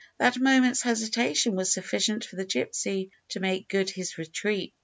That moment's hesitation was sufficient for the gypsy to make good his retreat.